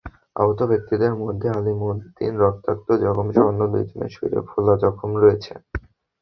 আহত ব্যক্তিদের মধ্যে আলিমুদ্দিন রক্তাক্ত জখমসহ অন্য দুজনের শরীরে ফোলা জখম রয়েছে।